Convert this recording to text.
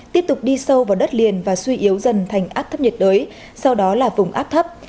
tiếp tục đi sâu vào đất liền và suy yếu dần thành áp thấp nhiệt đới sau đó là vùng áp thấp